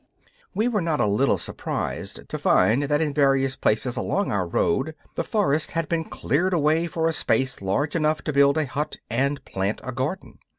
We were not a little surprised to find that in various places along our road the forest had been cleared away for a space large enough to build a hut and plant a garden.